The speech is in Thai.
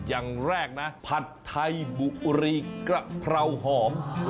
อย่างแรกนะผัดไทยบุรีกะเพราหอม